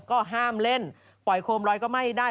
ก็ห้ามเล่นปล่อยโคมลอยก็ไม่ได้